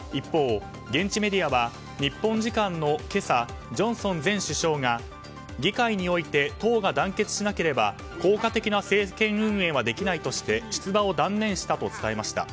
一方、現地メディアは日本時間の今朝ジョンソン前首相が議会において党が団結しなければ効果的な政権運営はできないとして出馬を断念したと伝えました。